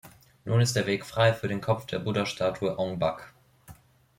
Nun ist der Weg frei für den Kopf der Buddha-Statue Ong-Bak.